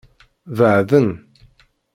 Beɛden.